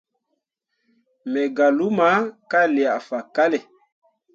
Me gah luma ka liah faɓalle.